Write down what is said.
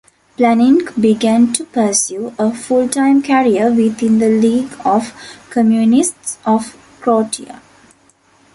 Planinc began to pursue a full-time career within the League of Communists of Croatia.